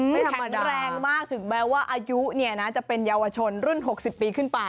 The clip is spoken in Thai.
แข็งแรงมากถึงแม้ว่าอายุจะเป็นเยาวชนรุ่น๖๐ปีขึ้นไป